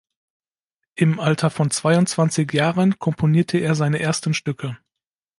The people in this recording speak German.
Im Alter von zweiundzwanzig Jahren komponierte er seine ersten Stücke.